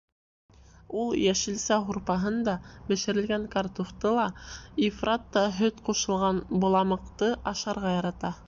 Ул йәшелсә һурпаһын да, бешерелгән картуфты ла, ифрат та һөт ҡушылған боламыҡты ашарға ярата.